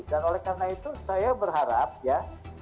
dan oleh karena itu saya berharap ya